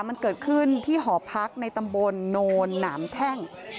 มันเกิดขึ้นที่หอพักในตำบลโนนหนามแท่ง